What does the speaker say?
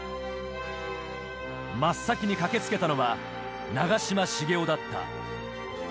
真っ先に駆けつけたのは、長嶋茂雄だった。